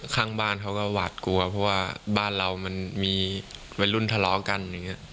ข้างบ้านเขาก็หวาดกลัวเพราะว่าบ้านเรามันมีวัยรุ่นทะเลาะกันอย่างนี้